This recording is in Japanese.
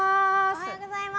おはようございます！